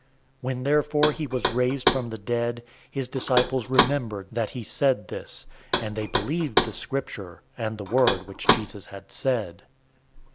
002:022 When therefore he was raised from the dead, his disciples remembered that he said this, and they believed the Scripture, and the word which Jesus had said.